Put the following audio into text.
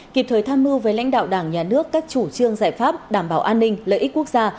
kịp thời tham mưu với lãnh đạo đảng nhà nước các chủ trương giải pháp đảm bảo an ninh lợi ích quốc gia